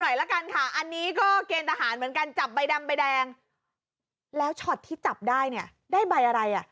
ละกันค่ะอันนี้ก็เกณฑ์ทหารเหมือนกันจับใบดำใบแดงแล้วช็อตที่จับได้เนี่ยได้ใบอะไรอ่ะ